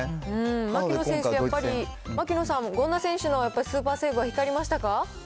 槙野選手はやっぱり、槙野さん、権田選手のスーパーセーブは光りましたか。